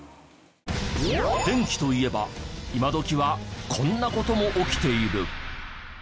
電気といえば今どきはこんな事も起きている。